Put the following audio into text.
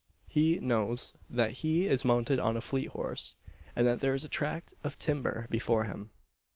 He knows that he is mounted on a fleet horse, and that there is a tract of timber before him.